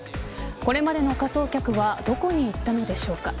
これまでの仮装客はどこに行ったのでしょうか。